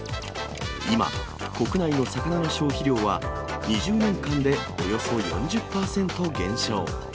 今、国内の魚の消費量は、２０年間でおよそ４０％減少。